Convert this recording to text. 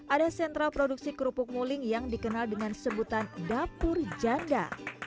ada sentra produksi kerupuk muling yang dikenal dengan sebutan dapur janda